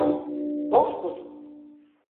Dostuz!